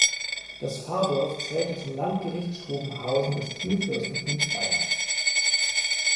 Das Pfarrdorf zählte zum Landgericht Schrobenhausen des Kurfürstentums Bayern.